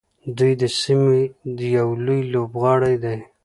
دوی د سیمې یو لوی لوبغاړی دی.